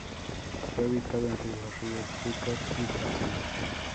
Está ubicado entre los ríos Júcar y Cabriel.